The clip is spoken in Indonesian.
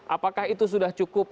apakah itu sudah cukup